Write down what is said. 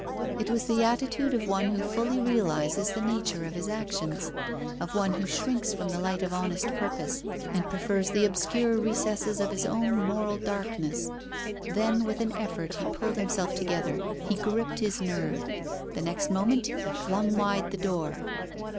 It was the attitude of one who fully realizes the nature of his actions, of one who shrinks from the light of honest purpose and prefers the obscure recesses of his own moral darkness. Then with an effort he pulled himself together; he gripped his nerve. The next moment he flung wide the door.